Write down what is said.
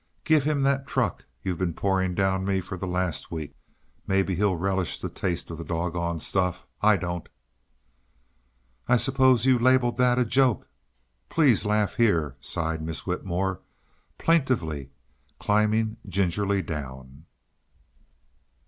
Give him that truck you've been pouring down me for the last week. Maybe he'll relish the taste of the doggone stuff I don't." "I suppose you've labeled THAT a 'Joke please laugh here,'" sighed Miss Whitmore, plaintively, climbing gingerly down.